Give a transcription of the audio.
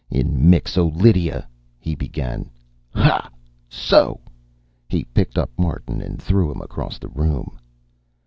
"In Mixo Lydia " he began. "Ha! So!" He picked up Martin and threw him across the room.